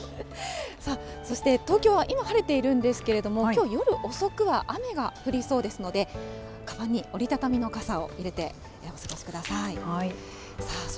さあ、そして東京は今晴れているんですけれども、きょう、夜遅くは雨が降りそうですので、かばんに折り畳みの傘を入れてお過ごしください。